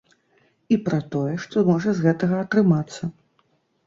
І пра тое, што можа з гэтага атрымацца.